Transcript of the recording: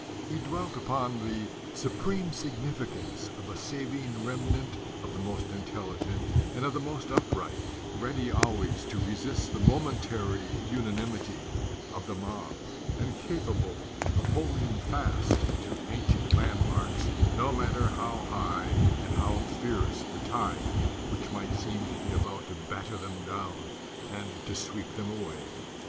He dwelt upon the supreme significance of a saving remnant of the most intelligent and of the most upright, ready always to resist the momentary unanimity of the mob and capable of holding fast to ancient landmarks no matter how high and how fierce the tide which might seem to be about to batter them down and to sweep them away.